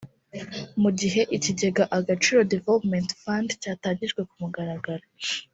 Mu gihe ikigega Agaciro Development Fund cyatangijwe ku mugaragaro